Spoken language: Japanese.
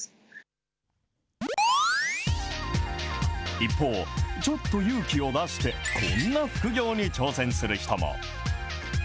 一方、ちょっと勇気を出して、こんな副業に挑戦する人も。